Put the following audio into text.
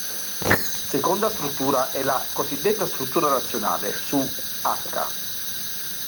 Seconda struttura è la cosiddetta struttura razionale su "H".